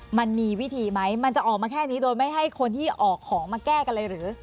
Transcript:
มันมีวิธีไหมมันจะออกมาแค่นี้โดยไม่ให้คนที่ออกของมาแก้กันเลยหรือ